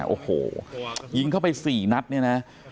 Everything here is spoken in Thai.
โอ้โหยิงเข้าไป๔นัดเนี่ยนะ